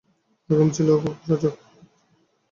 তাঁর ঘুমও ছিল খুব সজাগ।